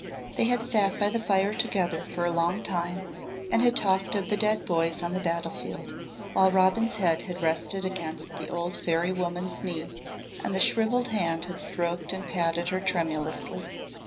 They had sat by the fire together for a long time and had talked of the dead boys on the battlefield, while Robin's head had rested against the old fairy woman's knee and the shrivelled hand had stroked and patted her tremulously.